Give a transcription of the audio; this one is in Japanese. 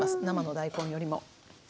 生の大根よりも。